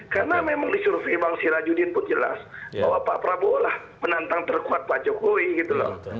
karena memang di suruh seimbang si rajudin pun jelas bahwa pak prabowo lah penantang terkuat pak jokowi gitu loh